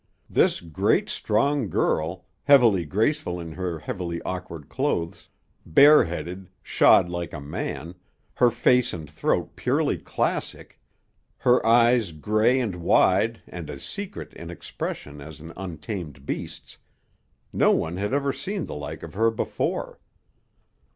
This great, strong girl, heavily graceful in her heavily awkward clothes, bareheaded, shod like a man, her face and throat purely classic, her eyes gray and wide and as secret in expression as an untamed beast's no one had ever seen the like of her before.